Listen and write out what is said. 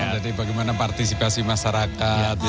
jadi bagaimana partisipasi masyarakat